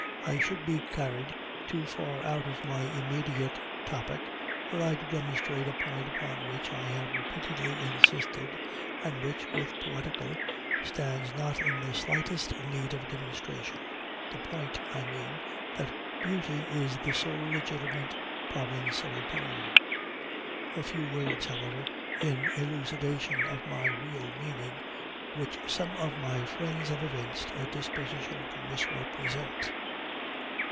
I should be carried too far out of my immediate topic were I to demonstrate a point upon which I have repeatedly insisted, and which, with the poetical, stands not in the slightest need of demonstration the point, I mean, that Beauty is the sole legitimate province of the poem. A few words, however, in elucidation of my real meaning, which some of my friends have evinced a disposition to misrepresent.